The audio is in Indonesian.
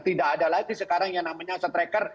tidak ada lagi sekarang yang namanya striker